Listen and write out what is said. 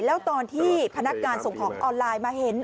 แล้วตอนที่พนักงานส่งของออนไลน์มาเห็น